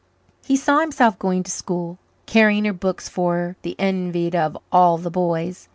He saw himself going to school, carrying her books for her, the envied of all the boys.